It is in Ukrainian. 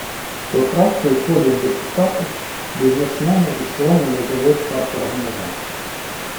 До фракції входять депутати - бізнесмени і члени низових парторганізацій.